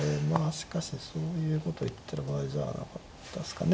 しかしそういうこと言ってる場合じゃなかったですかね。